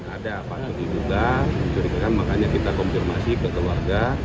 ada apa yang diduga mencurigakan makanya kita konfirmasi ke keluarga